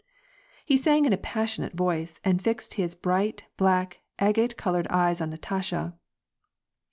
" He sang in a passionate voice, and fixed his bright, black, agate colored eyes on Natasha.